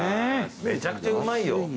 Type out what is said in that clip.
めちゃくちゃうまいよ！